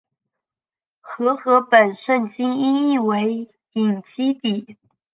和合本圣经音译为隐基底。